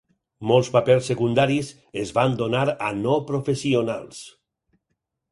Molts papers secundaris es van donar a no-professionals.